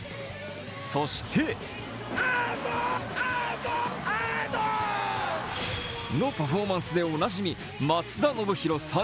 そしてのパフォーマンスでおなじみ松田宣浩